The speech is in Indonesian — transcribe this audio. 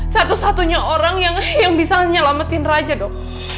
satu satunya orang yang bisa nyelamatin raja dok